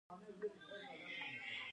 نوې غوښتنه باید د اعتراض بله سوژه وګرځي.